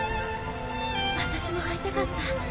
私も会いたかった。